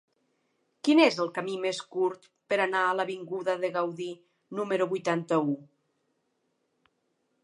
Quin és el camí més curt per anar a l'avinguda de Gaudí número vuitanta-u?